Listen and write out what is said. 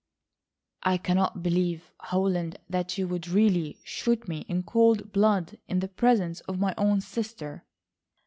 "I cannot believe, Holland, that you would really shoot me in cold blood in the presence of my own sister."